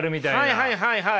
はいはいはいはい。